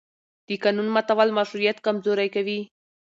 د قانون ماتول مشروعیت کمزوری کوي